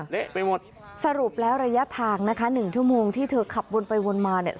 เละไปหมดสรุปแล้วระยะทางนะคะหนึ่งชั่วโมงที่เธอขับวนไปวนมาเนี่ย